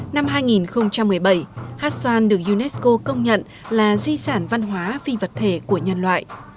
năm hai nghìn một mươi bảy hát xoan được unesco công nhận là di sản văn hóa phi vật thể của nhân loại